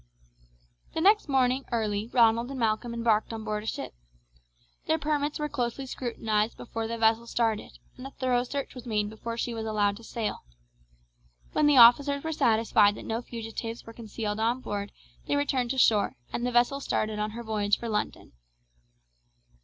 The next morning early Ronald and Malcolm embarked on board a ship. Their permits were closely scrutinized before the vessel started, and a thorough search was made before she was allowed to sail. When the officers were satisfied that no fugitives were concealed on board they returned to shore, and the vessel started on her voyage for London.